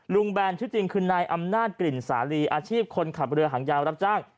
แบนชื่อจริงคือนายอำนาจกลิ่นสาลีอาชีพคนขับเรือหางยาวรับจ้าง